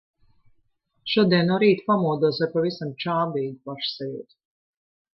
Šodien no rīta pamodos ar pavisam čābīgu pašsajūtu.